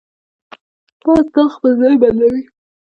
باز تل خپل ځای بدلوي